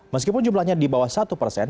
meskipun jumlahnya di bawah satu persen